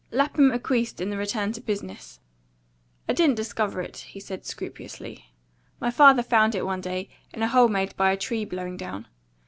Lapham acquiesced in the return to business. "I didn't discover it," he said scrupulously. "My father found it one day, in a hole made by a tree blowing down.